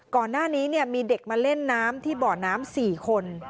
ก่อนหน้านี้มีเด็กมาเล่นน้ำที่เบาะน้ำ๔คน